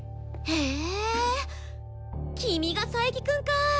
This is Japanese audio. へえ君が佐伯くんか！